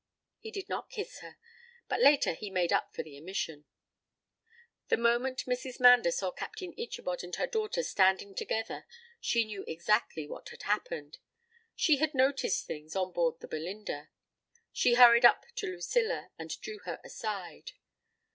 He did not kiss her, but later he made up for the omission. The moment Mrs. Mander saw Captain Ichabod and her daughter standing together she knew exactly what had happened; she had noticed things on board the Belinda. She hurried up to Lucilla and drew her aside.